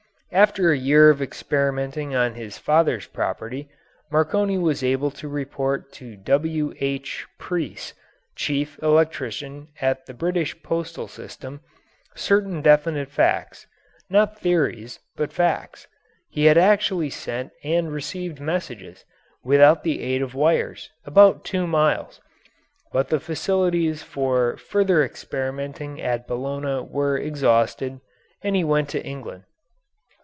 After a year of experimenting on his father's property, Marconi was able to report to W.H. Preece, chief electrician of the British postal system, certain definite facts not theories, but facts. He had actually sent and received messages, without the aid of wires, about two miles, but the facilities for further experimenting at Bologna were exhausted, and he went to England.